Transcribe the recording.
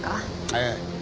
ええ。